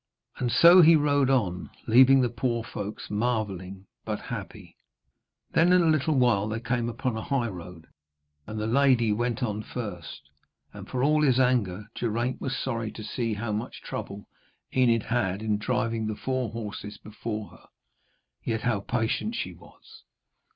And so he rode on, leaving the poor folks marvelling but happy. Then in a little while they came upon a highroad, and the lady went on first, and for all his anger, Geraint was sorry to see how much trouble Enid had in driving the four horses before her, yet how patient she was.